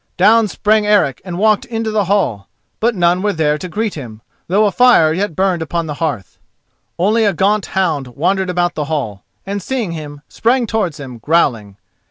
Down sprang Eric and walked into the hall. But none were there to greet him, though a fire yet burned upon the earth. Only a gaunt hound wandered about the hall, and, seeing him, sprang towards him, growling.